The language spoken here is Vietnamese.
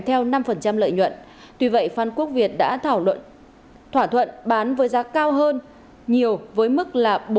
theo năm lợi nhuận tuy vậy phan quốc việt đã thỏa thuận bán với giá cao hơn nhiều với mức bốn trăm bảy mươi